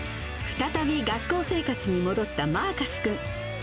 再び学校生活に戻ったマーカス君。